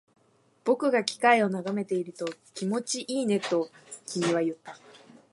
僕が機械を眺めていると、気持ちいいねと君は言った